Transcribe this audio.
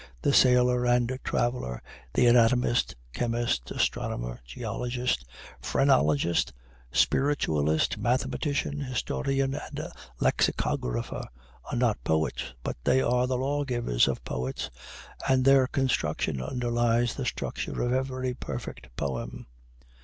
The sailor and traveler the anatomist, chemist, astronomer, geologist, phrenologist, spiritualist, mathematician, historian, and lexicographer, are not poets, but they are the lawgivers of poets, and their construction underlies the structure of every perfect poem.